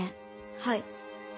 はい。